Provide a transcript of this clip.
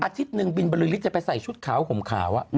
อาทิตย์หนึ่งบินบริษฐ์ไปใส่ชุดขาวห่มขาว